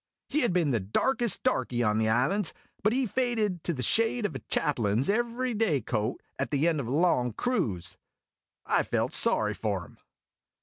He had been the darkest darky on the islands, but he faded to the shade of a chap lain's every day coat at the end of a long cruise. I felt sorry for him.